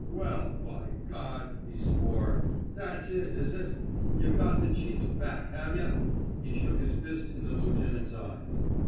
Well, by G^ ,'' he swore. ^* That's it, is it? Yuh got the chief's bat, have yuh? " He shook his fist in the lieutenant's eyes.